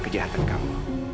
biar kejahatan kamu